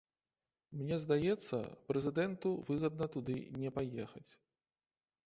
Мне здаецца, прэзідэнту выгадна туды не паехаць.